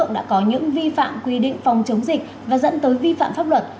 đã có những vi phạm quy định phòng chống dịch và dẫn tới vi phạm pháp luật